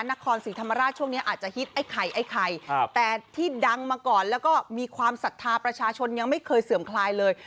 นครศรีธรรมราชช่วงนี้อาจจะฮิตไอ้ไข่ไอ้ไข่แต่ที่ดังมาก่อนแล้วก็มีความศรัทธาประชาชนยังไม่เคยเสื่อมคลายเลย